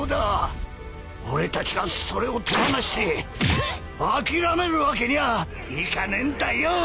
俺たちがそれを手放して諦めるわけにはいかねえんだよ！